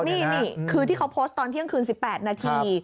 นี่คือที่เขาโพสต์ตอนเที่ยงคืน๑๘นาที